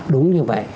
đúng như vậy